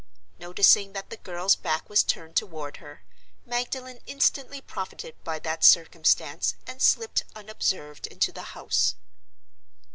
Noticing that the girl's back was turned toward her, Magdalen instantly profited by that circumstance and slipped unobserved into the house.